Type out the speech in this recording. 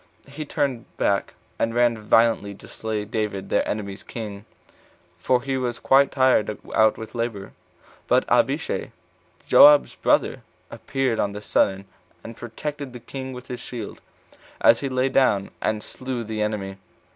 He turned back, and ran violently to slay [David] their enemy's king, for he was quite tired out with labor; but Abishai, Joab's brother, appeared on the sudden, and protected the king with his shield, as he lay down, and slew the enemy.